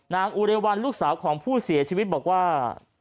อุเรวัลลูกสาวของผู้เสียชีวิตบอกว่า